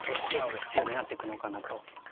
必要になってくのかなと。